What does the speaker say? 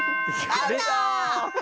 アウト！